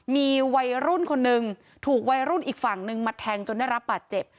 มีวัยรุ่นคนหนึ่งถูกวัยรุ่นอีกฝั่งนึงมาแทงจนได้รับบาดเจ็บ